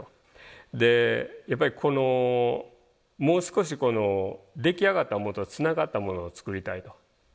でやっぱりこのもう少しこの出来上がったものとつながったものを作りたいと。